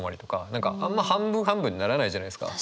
何かあんま半分半分にならないじゃないですか。